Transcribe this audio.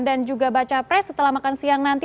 dan juga baca pres setelah makan siang nanti